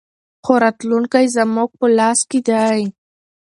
خو راتلونکی زموږ په لاس کې دی.